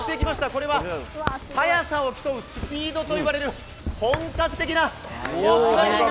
これは速さを競うスピードといわれる本格的なスポーツクライミング。